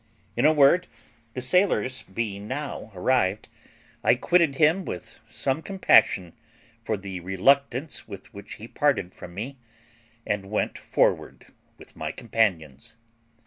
In a word, the sailors being now arrived, I quitted him with some compassion for the reluctance with which he parted from me, and went forward with my companions.